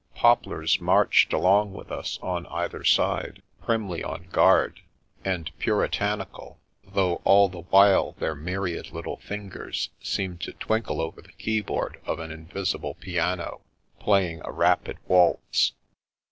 Poplars marched along with us cm either side, primly on guard, and puritanical, though all the while their myriad little fingers seemed to twinkle over the keyboard of an invisible piano, play ing a rapid waltz.